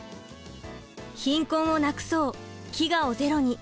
「貧困をなくそう」「飢餓をゼロに」